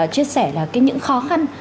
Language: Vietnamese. chia sẻ là những khó khăn